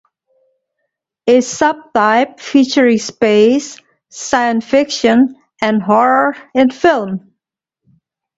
A subtype featuring space, science fiction and horror in film.